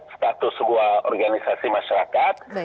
status sebuah organisasi masyarakat